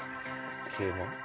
桂馬？